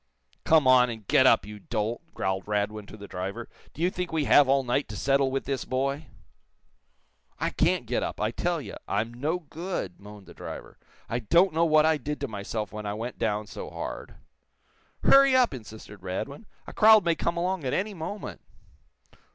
"Come on, and get up, you dolt!" growled Radwin to the driver. "Do you think we have all night to settle with this boy?" "I can't get up, I tell you. I'm no good," moaned the driver. "I don't know what I did to myself when I went down so hard." "Hurry up!" insisted Radwin. "A crowd may come along at any moment."